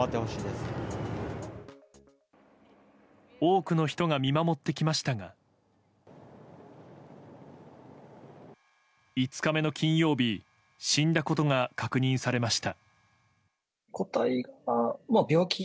多くの人が見守ってきましたが５日目の金曜日死んだことが確認されました。